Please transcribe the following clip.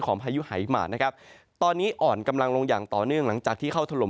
พายุหายหมานะครับตอนนี้อ่อนกำลังลงอย่างต่อเนื่องหลังจากที่เข้าถล่ม